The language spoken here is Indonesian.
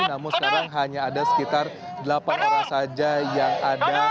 namun sekarang hanya ada sekitar delapan orang saja yang ada